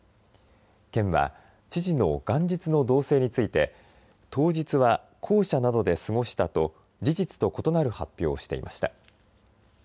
県は知事の元日の動静について当日は公舎などで過ごしたと事実と異なる発表をしていました。